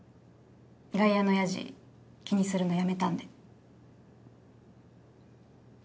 外野のヤジ気にするのやめたんで。